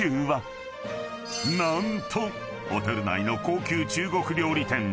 ［何とホテル内の高級中国料理店